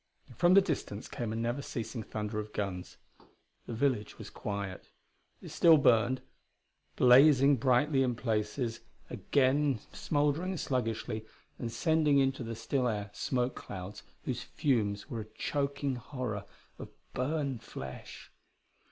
From the distance came a never ceasing thunder of guns. The village was quiet. It still burned, blazing brightly in places, again smouldering sluggishly and sending into the still air smoke clouds whose fumes were a choking horror of burned flesh.